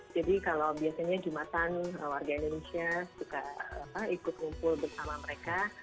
jadi kalau biasanya jumatan warga indonesia suka ikut ngumpul bersama mereka